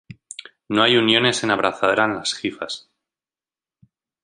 No hay uniones en abrazadera en las hifas.